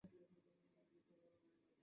সহ্য করা মুশকিল।